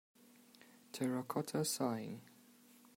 Terracotta Sighing.